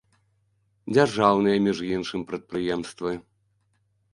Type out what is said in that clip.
Дзяржаўныя, між іншым, прадпрыемствы!